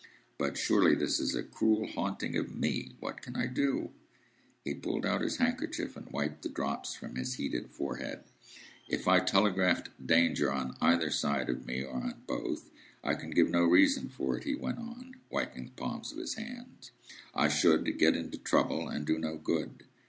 But surely this is a cruel haunting of me. What can I do?" He pulled out his handkerchief, and wiped the drops from his heated forehead. "If I telegraph Danger, on either side of me, or on both, I can give no reason for it," he went on, wiping the palms of his hands. "I should get into trouble, and do no good.